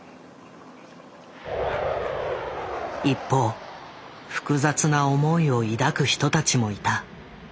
一方複雑な思いを抱く人たちもいた。